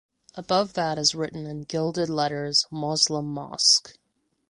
Above that is written in gilded letters "Moslem Mosque".